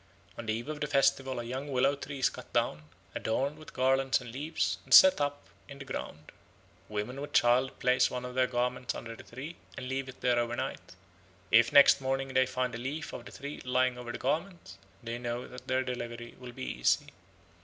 On the eve of the festival a young willow tree is cut down, adorned with garlands and leaves, and set up in the ground. Women with child place one of their garments under the tree, and leave it there over night; if next morning they find a leaf of the tree lying on the garment, they know that their delivery will be easy.